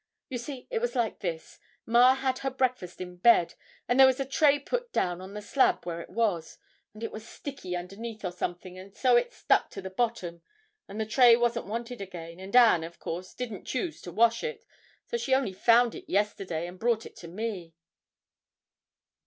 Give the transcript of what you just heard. You see, it was like this: ma had her breakfast in bed, and there was a tray put down on the slab where it was, and it was sticky underneath or something, and so it stuck to the bottom, and the tray wasn't wanted again, and Ann, of course, didn't choose to wash it, so she only found it yesterday and brought it to me.'